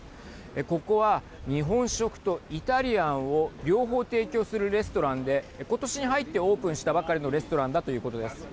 ここは日本食とイタリアンを両方提供するレストランで今年に入ってオープンしたばかりのレストランだということです。